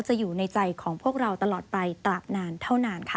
อยู่ในใจของพวกเราตลอดไปตราบนานเท่านานค่ะ